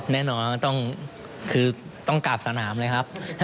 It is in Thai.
แน่นอนต้องกราบสนามเลยครับ